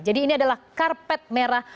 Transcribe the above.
jadi ini adalah karpet merah